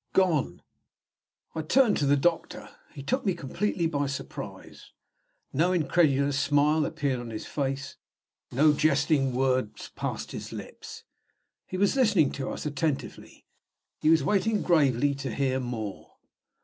"Gone!" I turned to the doctor. He took me completely by surprise. No incredulous smile appeared on his face; no jesting words passed his lips. He was listening to us attentively. He was waiting gravely to hear more.